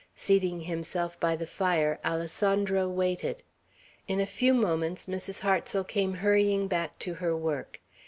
Seating himself by the fire, Alessandro waited. In a few moments Mrs. Hartsel came hurrying back to her work.